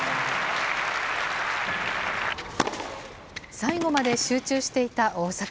最後まで集中していた大坂。